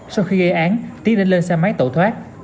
sau khi gây án tiến đã lên xe máy tẩu thoát